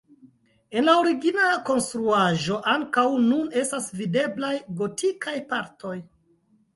Ela origina konstruaĵo ankaŭ nun estas videblaj gotikaj partoj.